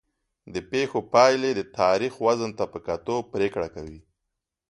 د پېښو پایلې د تاریخ وزن ته په کتو پرېکړه کوي.